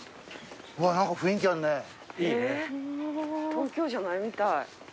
東京じゃないみたい。